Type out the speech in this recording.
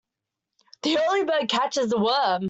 The early bird catches the worm.